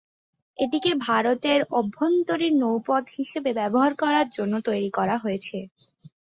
এটিকে ভারতের অভ্যন্তরীণ নৌপথ হিসাবে ব্যবহার করার জন্য তৈরি করা হচ্ছে।